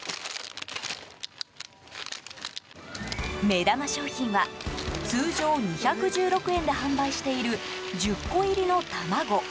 目玉商品は、通常２１６円で販売している、１０個入りの卵。